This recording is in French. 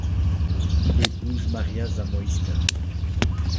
Il épouse Maria Zamoyska.